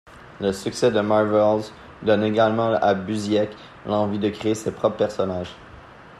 Le succès de Marvels donne également à Busiek l'envie de créer ses propres personnages.